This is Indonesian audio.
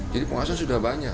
jadi pengawasan sudah banyak